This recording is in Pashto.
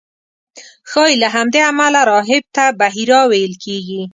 ښایي له همدې امله راهب ته بحیرا ویل کېږي.